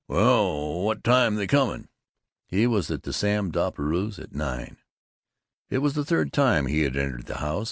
"Well What time they coming?" He was at Sam Doppelbrau's at nine. It was the third time he had entered the house.